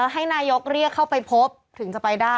ให้นายกเรียกเข้าไปพบถึงจะไปได้